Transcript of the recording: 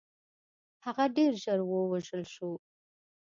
هغه ډېر ژر ووژل شو.